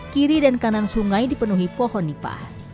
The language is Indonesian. kiri dan kanan sungai dipenuhi pohon nipah